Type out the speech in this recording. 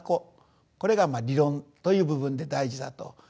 これが理論という部分で大事だと。